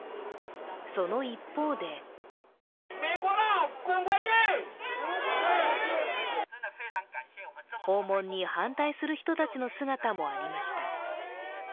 その一方で訪問に反対する人たちの姿もありました。